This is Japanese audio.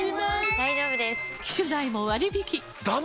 大丈夫です！